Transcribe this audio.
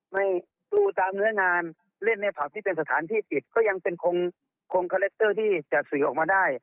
ไม่ดูตามเนื้องานเล่นในผักที่เป็นสถานที่สิบก็ยังเป็นคงคงที่จะสวยออกมาได้